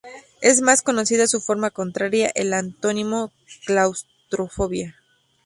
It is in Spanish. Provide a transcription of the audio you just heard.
Es más conocida su forma contraria, el antónimo claustrofobia.